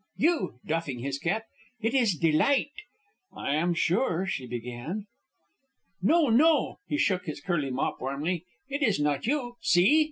You!" doffing his cap. "It is a delight!" "I am sure " she began. "No! No!" He shook his curly mop warmly. "It is not you. See!"